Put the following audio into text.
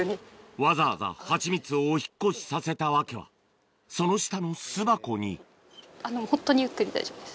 わざわざハチミツを引っ越しさせた訳はその下の巣箱にホントにゆっくりで大丈夫です。